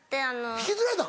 引きずられたん？